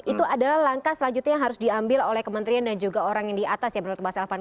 itu adalah langkah selanjutnya yang harus diambil oleh kementerian dan juga orang yang di atas ya menurut mas elvan